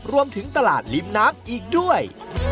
รวมถึงตลาดริมน้ำอีกด้วย